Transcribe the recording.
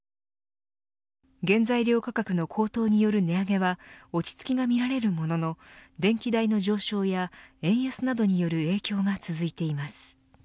原材料価格の高騰による値上げは落ち着きが見られるものの電気代の上昇や円安などによる影響が続いています。